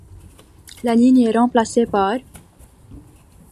La ligne ', est remplacée par '.